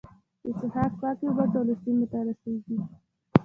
د څښاک پاکې اوبه ټولو سیمو ته رسیږي.